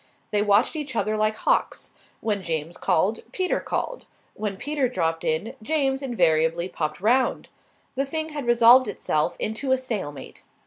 They watched each other like hawks. When James called, Peter called. When Peter dropped in, James invariably popped round. The thing had resolved itself into a stalemate.